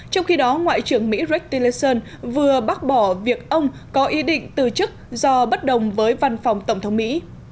trong khi đó ngoại trưởng mỹ rek teleson vừa bác bỏ việc ông có ý định từ chức do bất đồng với văn phòng tổng thống mỹ